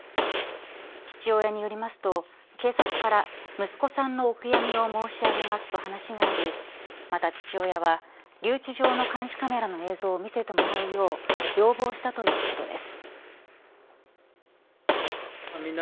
父親によりますと警察から息子さんのお悔やみを申し上げますと話がありまた父親は留置場の監視カメラの映像を見せてもらうよう要望したということです。